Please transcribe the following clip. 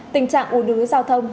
tình trạng u đứa giao thông